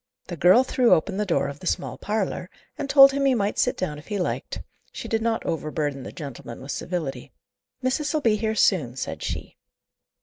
The girl threw open the door of the small parlour, and told him he might sit down if he liked; she did not overburden the gentleman with civility. "Missis'll be here soon," said she.